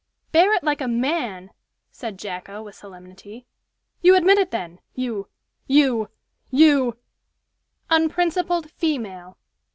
"Bear it like a man!" said Jacko, with solemnity. "You admit it, then. You you you " "'Unprincipled female.'